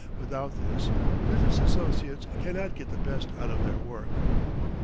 Without this, business associates cannot get the best out of their work.